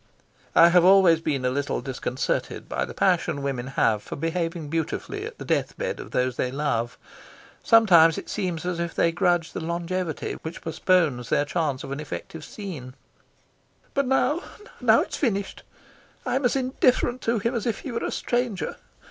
I have always been a little disconcerted by the passion women have for behaving beautifully at the death bed of those they love. Sometimes it seems as if they grudge the longevity which postpones their chance of an effective scene. "But now now it's finished. I'm as indifferent to him as if he were a stranger.